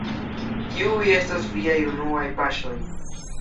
Kiuj estos viaj unuaj paŝoj?